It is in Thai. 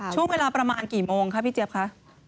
ช่วงเวลาประมาณกี่โมงคะพี่เจี๊ยบคะ